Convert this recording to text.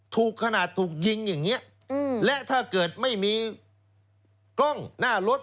ถูกขนาดถูกยิงอย่างนี้และถ้าเกิดไม่มีกล้องหน้ารถ